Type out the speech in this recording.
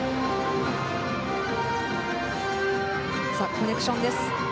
コネクションです。